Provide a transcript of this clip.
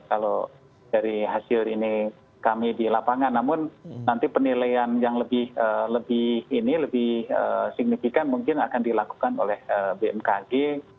kalau dari hasil ini kami di lapangan namun nanti penilaian yang lebih ini lebih signifikan mungkin akan dilakukan oleh bmkg